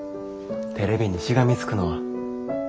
テレビにしがみつくのは。